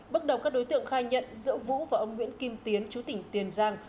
bước đầu các đối tượng khai nhận giữa vũ và ông nguyễn kim tiến chú tỉnh tiền giang